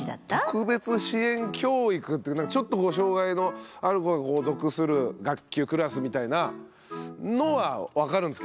特別支援教育ってちょっとこう障害のある子が属する学級クラスみたいなのは分かるんですけど。